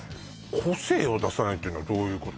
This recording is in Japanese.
個性を出さないっていうのはどういうこと？